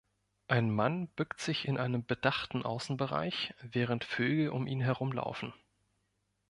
Ein Mann bückt sich in einem bedachten Außenbereich, während Vögel um ihn herumlaufen